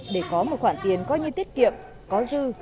để có một khoản tiền coi như tiết kiệm có dư